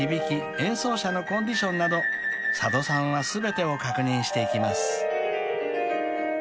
演奏者のコンディションなど佐渡さんは全てを確認していきます］